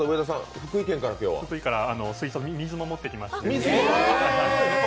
福井から水槽水も持ってきましたし。